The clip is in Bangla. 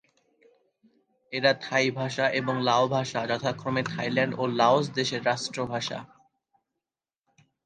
এর থাই ভাষা এবং লাও ভাষা যথাক্রমে থাইল্যান্ড এবং লাওস দেশের রাষ্ট্রভাষা।